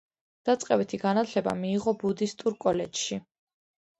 დაწყებითი განათლება მიიღო ბუდისტურ კოლეჯში.